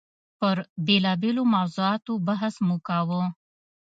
پر بېلابېلو موضوعاتو بحث مو کاوه.